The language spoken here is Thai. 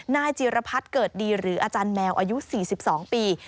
นายจิรพัฒน์เกิดดีหรืออาจารย์แมวอายุ๔๒ปี